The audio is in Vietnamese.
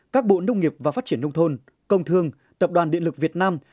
các bộ nông nghiệp và phát triển nông thôn công thương tập đoàn điện lực việt nam